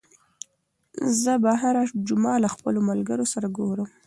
زه به هره جمعه له خپلو ملګرو سره ګورم.